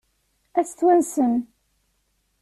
Ad tt-twansem?